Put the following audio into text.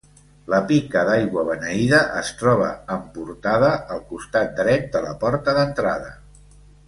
La pica d'aigua beneïda, es troba emportada al costat dret de la porta d'entrada.